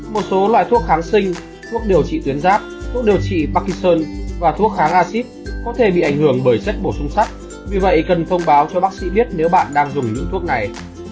một số loại thuốc kháng sinh thuốc điều trị tuyến giáp thuốc điều trị parkinson và thuốc kháng acid có thể bị ảnh hưởng bởi chất bổ sung sắt vì vậy cần thông báo cho bác sĩ biết nếu bạn đang dùng những thuốc này